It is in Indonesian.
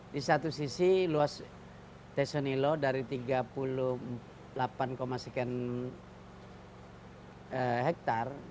di satu sisi luas teso nilo dari tiga puluh delapan satu hektare